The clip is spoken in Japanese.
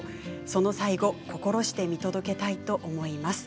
その最後心して見届けたいと思います。